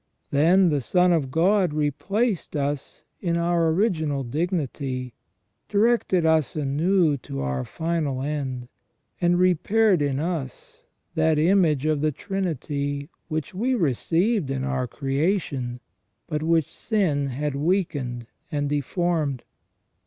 Then the Son of God replaced us in our original dignity, directed us anew to our final end, and repaired in us that image of the Trinity, which we received in our creation, but which sin had weakened and deformed.